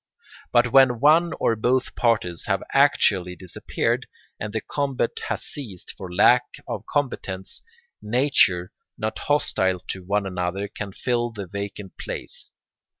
But when one or both parties have actually disappeared, and the combat has ceased for lack of combatants, natures not hostile to one another can fill the vacant place.